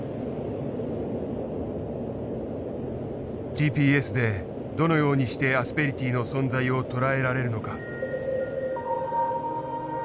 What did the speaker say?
ＧＰＳでどのようにしてアスペリティーの存在を捉えられるのか。